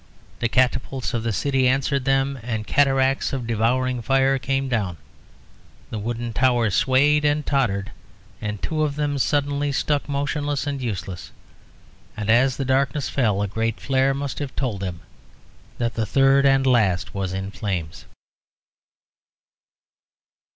The catapults of the city answered them, the cataracts of devouring fire came down; the wooden towers swayed and tottered, and two of them suddenly stuck motionless and useless. And as the darkness fell a great flare must have told them that the third and last was in flames.